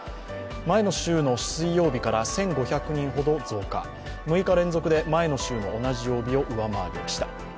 前の週の水曜日から１５００人ほど増加、６日連続で前の週の同じ曜日を超えました。